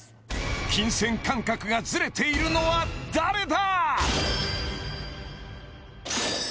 金銭感覚がズレているのは誰だ？